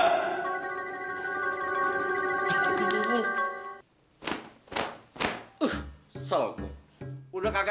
ngapain udah sudah kena